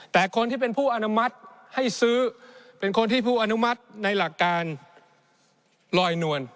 แต่คนที่เป็นผู้อนุมัติให้ซื้อเป็นคนที่ผู้อนุมัติในหลักการลอยนวล